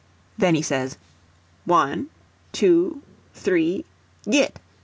Then he says, "One—two—three—git!"